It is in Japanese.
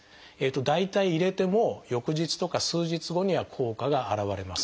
大体入れてもう翌日とか数日後には効果が現れます。